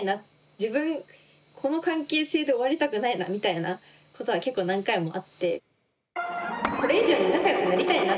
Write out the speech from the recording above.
自分この関係性で終わりたくないなみたいなことは結構何回もあって。